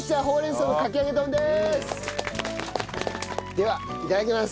ではいただきます。